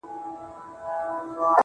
خوند كوي دا دوه اشــــنا.